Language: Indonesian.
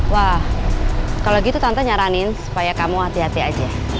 wah kalau gitu tante nyaranin supaya kamu hati hati aja